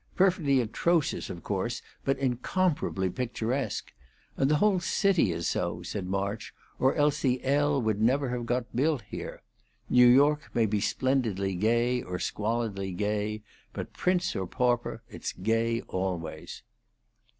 Perfectly atrocious, of course, but incomparably picturesque! And the whole city is so," said March, "or else the L would never have got built here. New York may be splendidly gay or squalidly gay; but, prince or pauper, it's gay always."